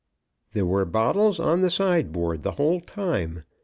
There were bottles on the sideboard the whole time.